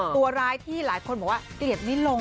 ตัวร้ายที่หลายคนบอกว่าเกลียดไม่ลง